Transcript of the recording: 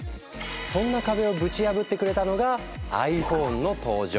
そんな壁をぶち破ってくれたのがｉＰｈｏｎｅの登場。